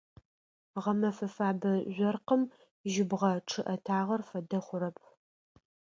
Гъэмэфэ фэбэ жъоркъым жьыбгъэ чъыӏэтагъэр фэдэ хъурэп.